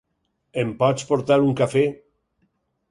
Em pots portar un cafè?